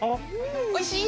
おいしい？